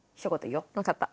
分かった。